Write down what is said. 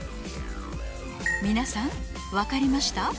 皆さんわかりました？